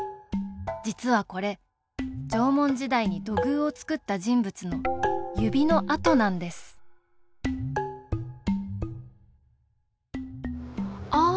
実はこれ縄文時代に土偶を作った人物の指の跡なんですああ！